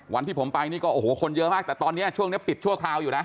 วันที่ผมไปนี่ก็โอ้โหคนเยอะมากแต่ตอนนี้ช่วงนี้ปิดชั่วคราวอยู่นะ